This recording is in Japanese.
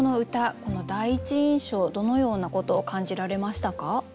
この第一印象どのようなことを感じられましたか？